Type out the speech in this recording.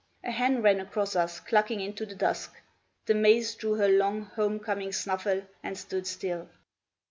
A hen ran across us, clucking, into the dusk. The maze drew her long, home coming snuffle, and stood still.